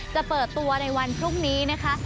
จะเปิดตัวในวันพรุ่งนี้นะคะ